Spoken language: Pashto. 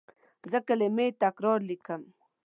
زه کلمې تکرار لیکم.